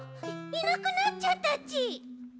いなくなっちゃったち！